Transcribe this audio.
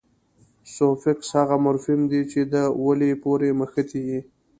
سوفیکس هغه مورفیم دئ، چي د ولي پوري مښتي يي.